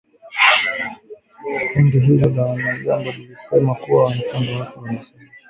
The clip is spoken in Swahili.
Kundi hilo la wanamgambo lilisema kwenye mtandao wake wa mawasiliano